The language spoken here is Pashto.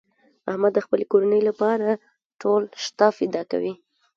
احمد د خپلې کورنۍ لپاره ټول شته فدا کوي.